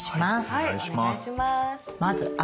はいお願いします。